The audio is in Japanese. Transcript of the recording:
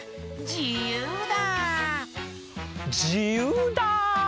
じゆうだ！